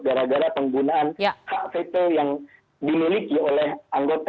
gara gara penggunaan hak veto yang dimiliki oleh anggota